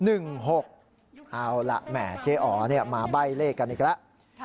เอาล่ะแหมเจ๊อ๋อมาใบ้เลขกันอีกแล้ว